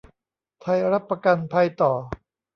ไทยรับประกันภัยต่อ